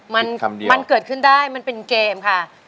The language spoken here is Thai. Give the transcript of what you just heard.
มันเกิดขึ้นได้มันเป็นเกมค่ะ